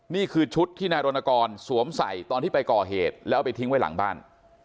นี่คือชุดที่นายรณกรสวมใส่ตอนที่ไปก่อเหตุแล้วเอาไปทิ้งไว้หลังบ้าน